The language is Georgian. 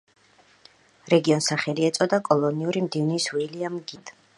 რეგიონს სახელი ეწოდა კოლონიური მდივნის, უილიამ გიზბორნის პატივსაცემად.